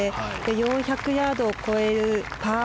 ４００ヤードを超えるパー